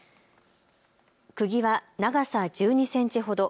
くぎは長さ１２センチほど。